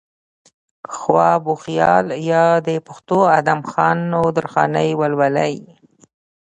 خواب وخيال يا د پښتو ادم خان و درخانۍ ولولئ